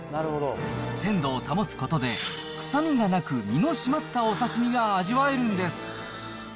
鮮度を保つことで、臭みがなく、身の締まったお刺身が味わえるんです。